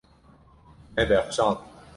Me bexşand.